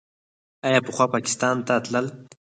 آیا پخوا پاکستان ته تلل؟